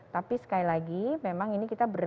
tapi sekali lagi memang ini kita berada